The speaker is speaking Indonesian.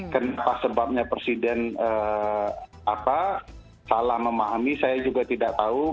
kenapa sebabnya presiden salah memahami saya juga tidak tahu